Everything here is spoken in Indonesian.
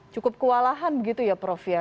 cukup kewalahan begitu ya prof ya